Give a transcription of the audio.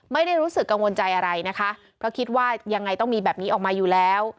ไม่ได้รู้สึกกังวลใจอะไรนะคะเพราะคิดว่ายังไงต้องมีแบบนี้ออกมาอยู่แล้ว